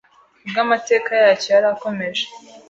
ubwo Amateka yacyo yarakomeje